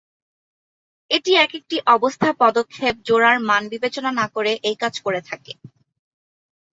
এটি একেকটি অবস্থা পদক্ষেপ জোড়ার মান বিবেচনা না করে এই কাজ করে থাকে।